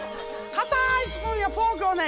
かたいスプーンやフォークをね